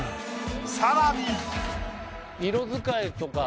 さらに。